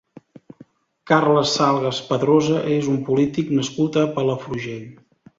Carles Salgas Padrosa és un polític nascut a Palafrugell.